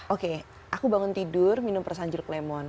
oke aku bangun tidur minum perasaan jeruk lemon